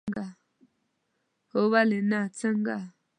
هو، ولې نه، څنګه؟